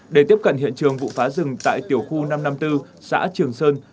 để tiếp cận hiện trường vụ phá rừng tại tiểu khu năm trăm năm mươi bốn xã trường sơn